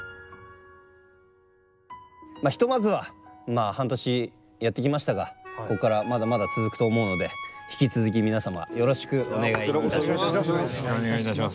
ひとまずは半年やってきましたがここからまだまだ続くと思うので引き続き皆様よろしくお願いいたします。